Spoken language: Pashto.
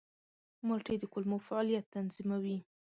مالټې د کولمو فعالیت تنظیموي.